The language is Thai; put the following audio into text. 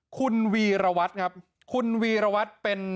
คุณวีรวัตรครับคุณวีรวัตรเป็น